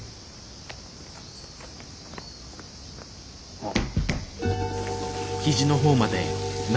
あっ。